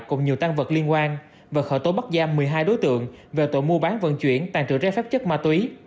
cùng nhiều tăng vật liên quan và khởi tố bắt giam một mươi hai đối tượng về tội mua bán vận chuyển tàn trự trái phép chất ma túy